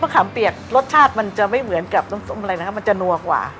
ขามเปียกรสชาติมันจะไม่เหมือนกับน้ำส้มอะไรนะครับมันจะนัวกว่า